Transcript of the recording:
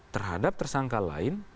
terhadap tersangka lain